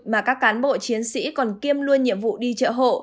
mà các cán bộ chiến sĩ còn kiêm luôn nhiệm vụ đi chợ hộ